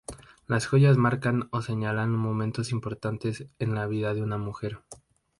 Las joyas marcan o señalan momentos importantes en la vida de una mujer.